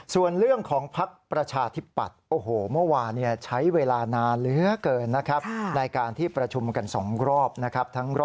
ส่วนเรื่องของภักรณ์ประชาธิบัตร